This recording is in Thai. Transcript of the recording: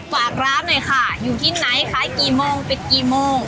ฝากร้านหน่อยค่ะอยู่ที่ไหนขายกี่โมงปิดกี่โมง